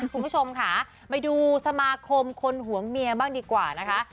คุณผู้ชมค่ะไปดูสมาคมคนหวงเมียบ้างดีกว่านะคะ